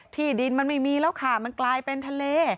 ที่ดินมันไม่มีแล้วค่ะมันกลายเป็นทะเล